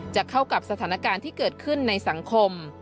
จะเข้ากับสถานการณ์ที่เกิดขึ้นในสังคม